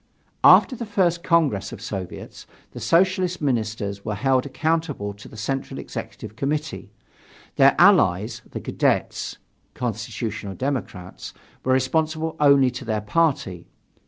After the First Congress of Soviets, the Socialist ministers were held accountable to the Central Executive Committee. Their allies, the Cadets (Constitutional Democrats) were responsible only to their party.